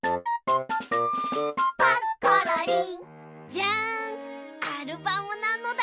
じゃんアルバムなのだ。